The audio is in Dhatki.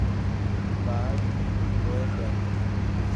ٻاڙ روئي پيا.